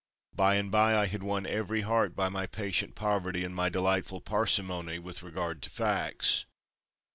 By and by I had won every heart by my patient poverty and my delightful parsimony with regard to facts.